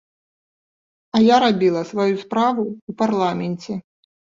А я рабіла сваю справу ў парламенце.